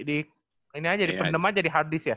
ini aja di penemah jadi hard disk ya